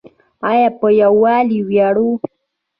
آیا په یوالي ویاړو؟